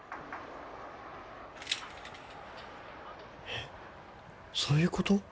えっそういうこと？